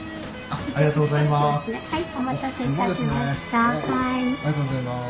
ありがとうございます。